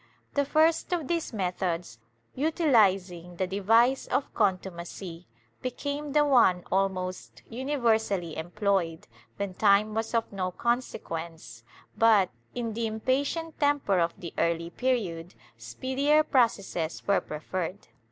^ The first of these methods, utilizing the device of contumacy became the one almost universally employed, when time was of no consequence but, in the impatient temper of the early period, speedier processes were preferred.